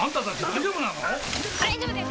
大丈夫です